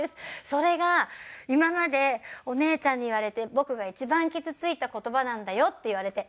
それが「今までお姉ちゃんに言われて僕が一番傷ついた言葉なんだよ」って言われて。